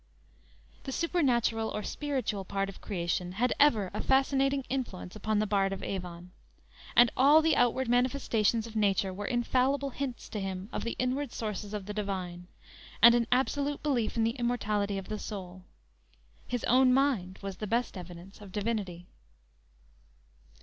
The supernatural or spiritual part of creation had ever a fascinating influence upon the Bard of Avon, and all the outward manifestations of nature were infallible hints to him of the inward sources of the Divine, and an absolute belief in the immortality of the soul! His own mind was the best evidence of divinity!